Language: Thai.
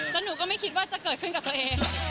แล้วหนูก็ไม่คิดว่าจะเกิดขึ้นกับตัวเอง